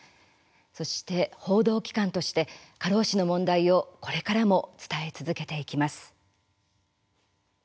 そして報道機関として過労死の問題をこれからも伝え続けていきます。